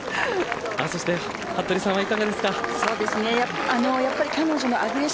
そして服部さんはいかがですか。